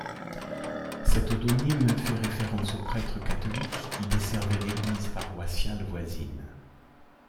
Cet odonyme fait référence aux prêtres catholiques qui desservaient l’église paroissiale voisine.